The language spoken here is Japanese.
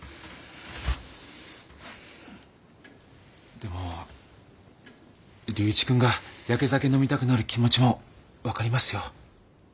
でも龍一君がやけ酒飲みたくなる気持ちも分かりますよ。